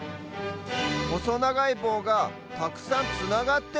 ほそながいぼうがたくさんつながってる？